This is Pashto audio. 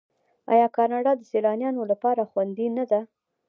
آیا کاناډا د سیلانیانو لپاره خوندي نه ده؟